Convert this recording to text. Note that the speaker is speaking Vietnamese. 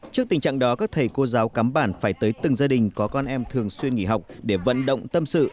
trước tình trạng đó các thầy cô giáo cắm bản phải tới từng gia đình có con em thường xuyên nghỉ học để vận động tâm sự